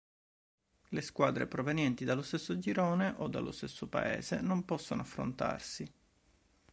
Le squadre provenienti dallo stesso girone o dallo stesso paese non possono affrontarsi.